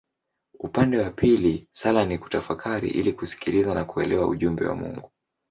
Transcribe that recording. Upande wa pili sala ni kutafakari ili kusikiliza na kuelewa ujumbe wa Mungu.